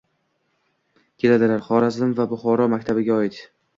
keladilar. Xorazm va Buxoro maktabiga oid